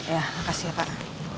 ya makasih pak